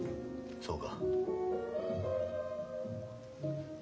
そうか。